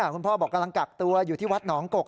พ่อบอกกำลังกักตัวอยู่ที่วัดหนองกก